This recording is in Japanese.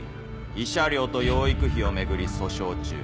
慰謝料と養育費を巡り訴訟中。